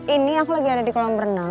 ini aku lagi ada di kolam berenang